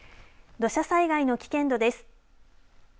土砂災害の危険度です。